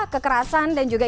kekerasan dan juga